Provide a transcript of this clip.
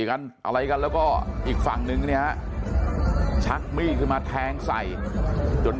กันอะไรกันแล้วก็อีกฝั่งนึงเนี่ยฮะชักมีดขึ้นมาแทงใส่จน